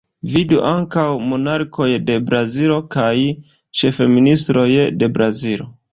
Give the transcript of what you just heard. Vidu ankaŭ Monarkoj de Brazilo kaj Ĉefministroj de Brazilo.